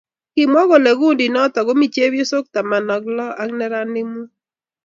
Kimw kole kikundit noto komii chepyosoo taman ak look, neranik muut